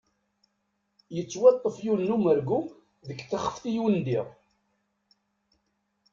Yettwaṭṭef yiwen n umergu deg texfet i undiɣ.